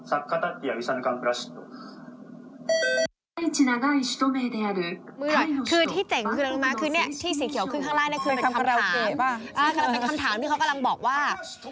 อ่ากำลังเป็นคำถามที่เค้ากำลังบอกว่า